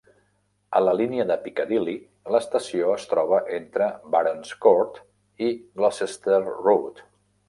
A la línia de Piccadilly, l'estació es troba entre Barons Court i Gloucester Road.